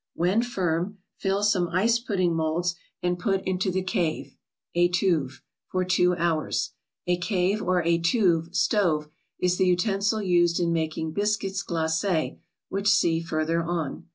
When firm, fill some ice pudding molds, and put into the cave (Jtuve) for two hours. A cave or ituve (stove) is the utensil used in making biscuits glacts, which see further on.